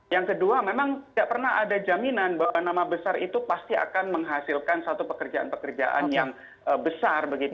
yang kedua memang tidak pernah ada jaminan bahwa nama besar itu pasti akan menghasilkan satu pekerjaan pekerjaan yang besar